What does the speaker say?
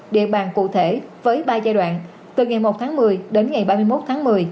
địa bàn cụ thể với ba giai đoạn từ ngày một tháng một mươi đến ngày ba mươi một tháng một mươi